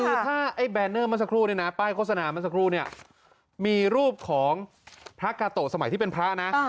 คือถ้าไอ้แบนเนอร์มันสักครู่นินะป้ายโฆษณามันสักครู่มีรูปของพระกาโตสมัยที่เป็นพระนะ